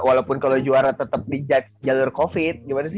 walaupun kalo juara tetep di jalur covid gimana sih